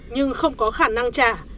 nhưng không có khả năng trả